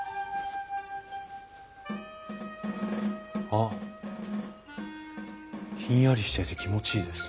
あっひんやりしてて気持ちいいです。